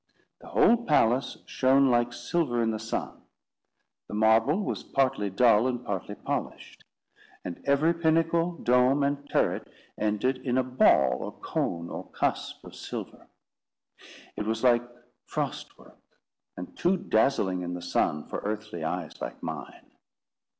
The whole palace shone like silver in the sun. The marble was partly dull and partly polished; and every pinnacle, dome, and turret ended in a ball, or cone, or cusp of silver. It was like frost work, and too dazzling, in the sun, for earthly eyes like mine.